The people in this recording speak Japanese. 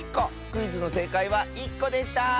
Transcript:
クイズのせいかいは１こでした！